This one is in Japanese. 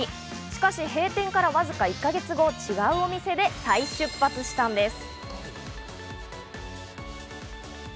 しかし、閉店からわずか１か月後、違うお店で再出発したんです。